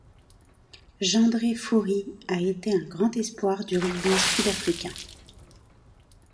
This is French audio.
Jeandré Fourie a été un grand espoir du rugby sud-africain.